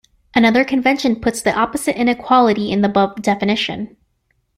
Another convention puts the opposite inequality in the above definition.